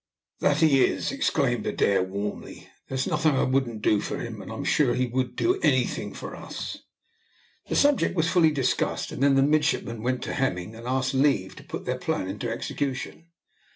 "That he is," exclaimed Adair warmly. "There's nothing I wouldn't do for him, and I'm sure he would do anything for us." The subject was fully discussed, and then the midshipmen went to Hemming, and asked leave to put their plan into execution.